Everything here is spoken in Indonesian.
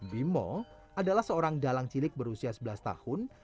bimo adalah seorang dalang cilik berusia sebelas tahun